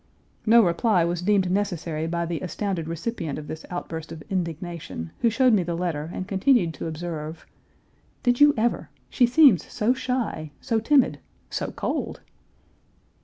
No reply was deemed necessary by the astounded recipient of this outburst of indignation, who showed me the letter and continued to observe: "Did you ever? She seems so shy, so timid, so cold."